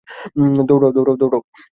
দৌড়াও, দৌড়াও!